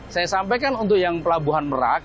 saya sampaikan untuk yang pelabuhan merak